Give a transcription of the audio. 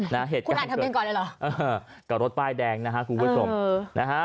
นะเหตุการณ์เกิดเออกับรถป้ายแดงนะครับคุณผู้ชมนะฮะ